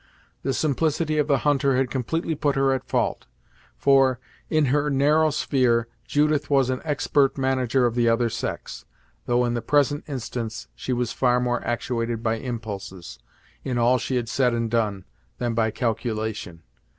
The simplicity of the hunter had completely put her at fault; for, in her narrow sphere, Judith was an expert manager of the other sex; though in the present instance she was far more actuated by impulses, in all she had said and done, than by calculation.